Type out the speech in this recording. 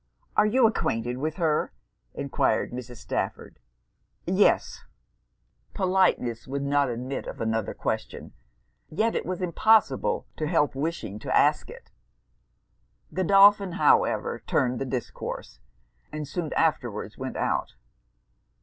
'Are you acquainted with her?' enquired Mrs. Stafford. 'Yes.' Politeness would not admit of another question: yet it was impossible to help wishing to ask it. Godolphin, however, turned the discourse, and soon afterwards went out.